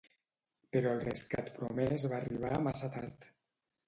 Però el rescat promès va arribar massa tard.